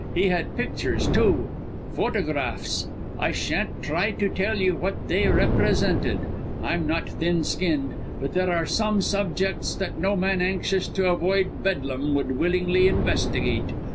He had pictures, too photographs. I shan't try to tell you what they represented. I'm not thin skinned; but there are some subjects that no man anxious to avoid Bedlam would willingly investigate.